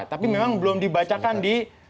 tapi memang belum dibacakan di